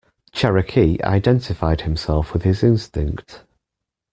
Cherokee identified himself with his instinct.